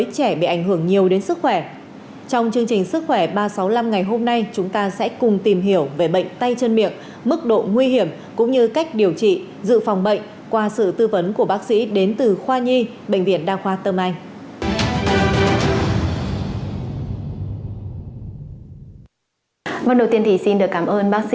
xin chào và hẹn gặp lại các bạn trong những video tiếp theo